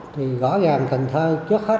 thì gõ gàng cần thơ trước hết